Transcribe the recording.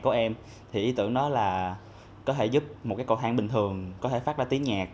của em thì ý tưởng đó là có thể giúp một cái con thang bình thường có thể phát ra tiếng nhạc